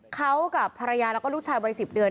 เขากับภรรยาแล้วก็ลูกชายวัย๑๐เดือน